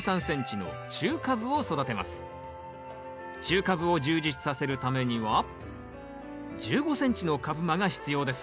中カブを充実させるためには１５ｃｍの株間が必要です。